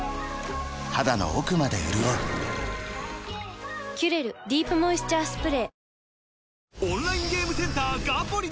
肌の奥まで潤う「キュレルディープモイスチャースプレー」